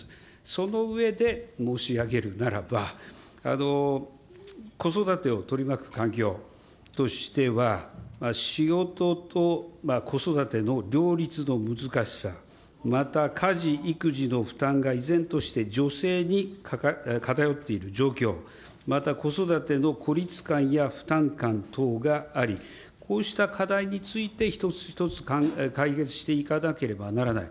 その上で申し上げるならば、子育てを取り巻く環境としては、仕事と子育ての両立の難しさ、また、家事、育児の負担が依然として女性に偏っている状況、また子育ての孤立感や負担感等があり、こうした課題について、一つ一つ解決していかなければならない。